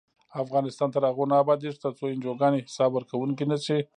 افغانستان تر هغو نه ابادیږي، ترڅو انجوګانې حساب ورکوونکې نشي.